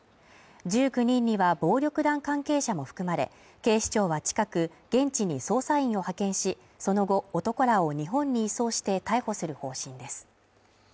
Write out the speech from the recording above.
１９人には暴力団関係者も含まれ、警視庁は近く、現地に捜査員を派遣し、その後、男らを日本に移送して逮捕する方針です。